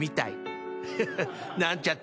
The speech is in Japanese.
フフなんちゃって。